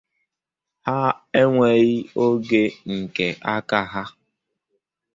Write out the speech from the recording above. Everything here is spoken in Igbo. Ha enweghị oge nke aka ha